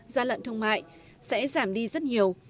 gia lận thông mại sẽ giảm đi rất nhiều